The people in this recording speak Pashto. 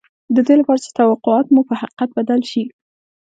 د دې لپاره چې توقعات مو په حقيقت بدل شي.